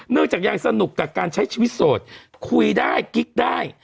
จากยังสนุกกับการใช้ชีวิตโสดคุยได้กิ๊กได้